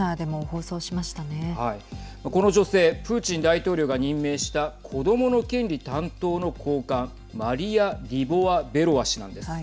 この女性プーチン大統領が任命した子どもの権利担当の高官マリヤ・リボワベロワ氏なんです。